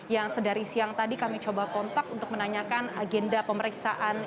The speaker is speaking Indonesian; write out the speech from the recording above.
yang sedari siang tadi kami coba kontak untuk menanyakan agenda pemeriksaan